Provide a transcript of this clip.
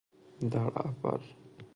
در اول